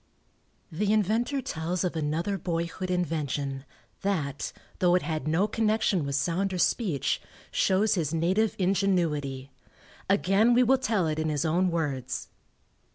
The inventor tells of another boyhood invention that, though it had no connection with sound or speech, shows his native ingenuity. Again we will tell it in his own words.